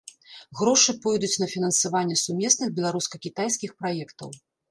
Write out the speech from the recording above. Грошы пойдуць на фінансаванне сумесных беларуска-кітайскіх праектаў.